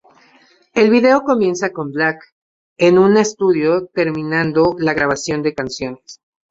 El video comienza con Black en un estudio terminando la grabación de canciones.